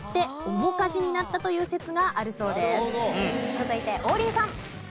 続いて王林さん。